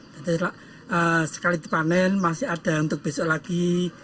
jadi sekali dipanen masih ada untuk besok lagi